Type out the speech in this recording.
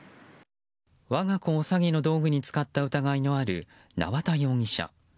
我が子を詐欺の道具に使った疑いのある縄田容疑者。